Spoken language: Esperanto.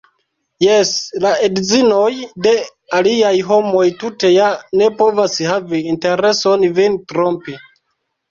Jes, la edzinoj de aliaj homoj tute ja ne povas havi intereson vin trompi!